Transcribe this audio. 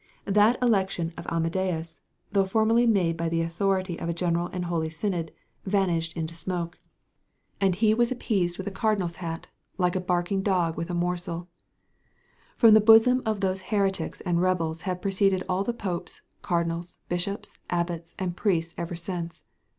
That election of Amadeus, though formally made by the authority of a general and holy synod, vanished into smoke; and he was appeased with a cardinal's hat, like a barking dog with a morsel. From the bosom of those heretics and rebels have proceeded all the popes, cardinals, bishops, abbots, and priests ever since.